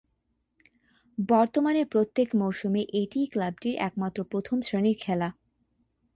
বর্তমানে প্রত্যেক মৌসুমে এটিই ক্লাবটির একমাত্র প্রথম-শ্রেণীর খেলা।